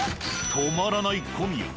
止まらない小宮。